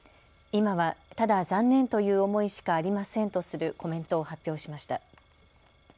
今は、ただ残念という思いしかありませんとするコメントを発表しました。